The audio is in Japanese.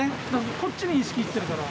こっちに意識行ってるから。